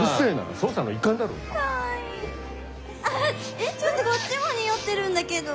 えっちょっとこっちも匂ってるんだけど。